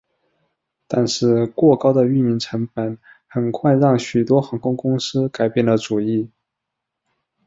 但是过高的运营成本很快让许多航空公司改变了主意。